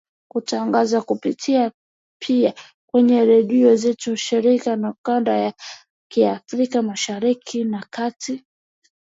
tunatangaza kupitia pia kwenye redio zetu shirika za kanda ya Afrika Mashariki na Kati